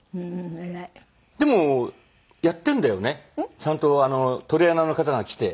ちゃんとトレーナーの方が来て。